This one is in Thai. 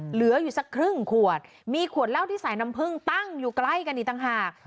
เหลืออยู่สักครึ่งขวดมีขวดเหล้าที่ใส่น้ำผึ้งตั้งอยู่ใกล้กันอีกต่างหาก